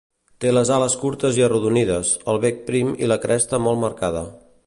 Té les ales curtes i arrodonides, el bec prim i la cresta molt marcada.